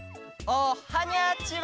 おはにゃちは！